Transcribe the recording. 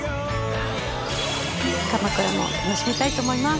鎌倉、楽しみたいと思います。